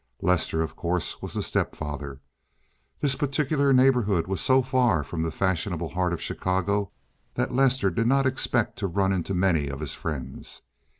Lester, of course, was the stepfather. This particular neighborhood was so far from the fashionable heart of Chicago that Lester did not expect to run into many of his friends.